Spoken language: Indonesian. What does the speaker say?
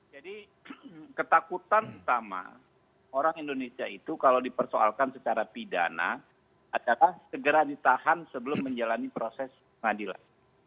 jadi ketakutan utama orang indonesia itu kalau dipersoalkan secara pidana adalah segera ditahan sebelum menjalani proses pengadilan